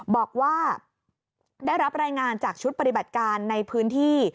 บอกว่าได้รับรายงานจากชุดปฏิบัติการในพื้นที่